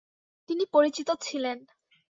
তিনি পরিচিত ছিলেন ।